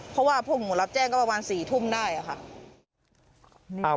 เพราะว่าไปพวกผมรับแจ้งประมาณสี่ทุ่มได้อะค่ะ